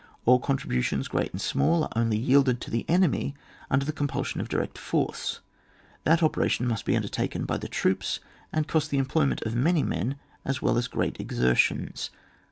All contributions great and small, are only yielded to the enemy under the com pulsion of direct force ; that operation must be undertaken by the troops, and cost the employment of many men as well as great exertions.